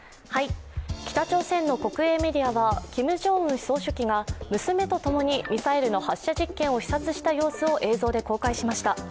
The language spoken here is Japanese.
北朝鮮の国営メディアはキム・ジョンウン総書記が娘とともにミサイルの発射実験を視察した様子を映像で公開しました。